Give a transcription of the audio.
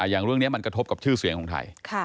อย่างเรื่องนี้มันกระทบกับชื่อเสียงของไทย